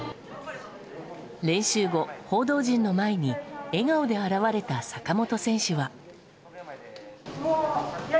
練習後、報道陣の前に笑顔で現れた坂本選手は。